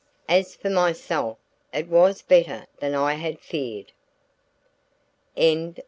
As for myself, it was better than I had feared.